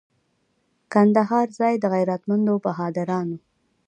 کندهار ځای د غیرتمنو بهادرانو.